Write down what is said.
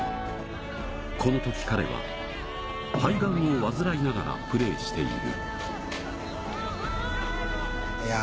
このとき彼は、肺がんを患いながらプレーしている。